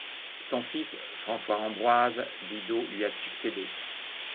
Son fils François-Ambroise Didot lui a succédé.